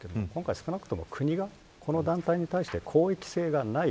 少なくとも国がこの団体に対して公益性がない。